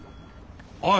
おい！